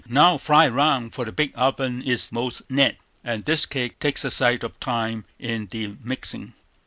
Now fly 'round, for the big oven is most het, and this cake takes a sight of time in the mixin'."